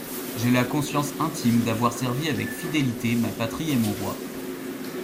J’ai la conscience intime d’avoir servi avec fidélité ma patrie et mon Roi.